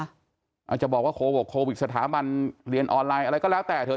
อาจจะบอกว่าโควิดสถาบันเรียนออนไลน์อะไรก็แล้วแต่เถอ